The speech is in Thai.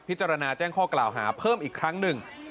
แจ้งข้อกล่าวหาเพิ่มอีกครั้งหนึ่ง